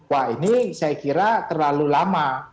wah ini saya kira terlalu lama